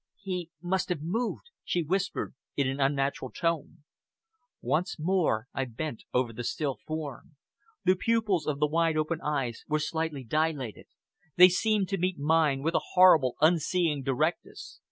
"He must have moved," she whispered in an unnatural tone. Once more I bent over the still form. The pupils of the wide open eyes were slightly dilated; they seemed to meet mine with a horrible, unseeing directness.